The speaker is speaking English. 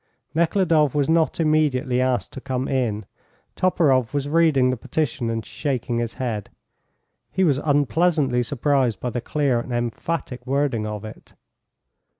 Nekhludoff was not immediately asked to come in. Toporoff was reading the petition and shaking his head. He was unpleasantly surprised by the clear and emphatic wording of it.